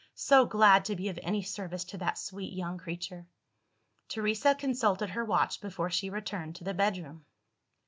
So glad to be of any service to that sweet young creature!" Teresa consulted her watch before she returned to the bedroom.